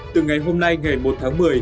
từ ngày hôm nay ngày một tháng một mươi